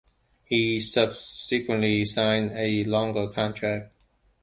He subsequently signed a longer contract.